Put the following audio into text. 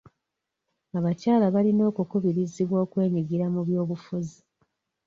Abakyala balina okukubirizibwa okwenyigira mu by'obufuzi.